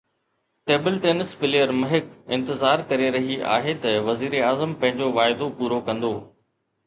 table tennis player Mehak انتظار ڪري رهي آهي ته وزيراعظم پنهنجو واعدو پورو ڪندو